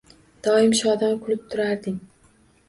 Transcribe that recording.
Doim shodon kulib turarding